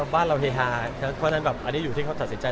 บ้านเราเฮฮาเพราะฉะนั้นแบบอันนี้อยู่ที่เขาตัดสินใจ